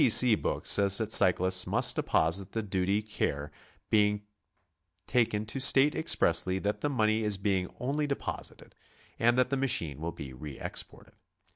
T. C. book says that cyclists must deposit the ^duty, care BICYCLE TOURING. "5 being taken to state expressly that the money is being only deposited, and that the machine will be re exported.